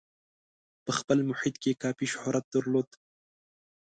په خپل محیط کې یې کافي شهرت درلود.